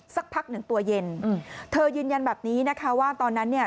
สักพักหนึ่งตัวเย็นอืมเธอยืนยันแบบนี้นะคะว่าตอนนั้นเนี่ย